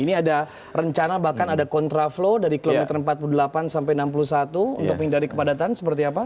ini ada rencana bahkan ada kontraflow dari kilometer empat puluh delapan sampai enam puluh satu untuk menghindari kepadatan seperti apa